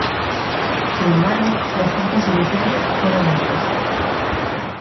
Sin embargo, los costos iniciales fueron altos.